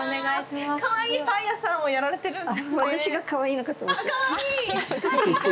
かわいいパン屋さんをやられてるんですね。